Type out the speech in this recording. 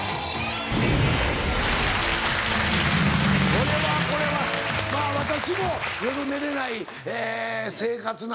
これはこれはまぁ私も夜寝れない生活なんで。